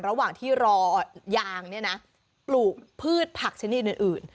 ระหว่างที่รอยางเนี่ยนะปลูกพืชผักชนิดอื่น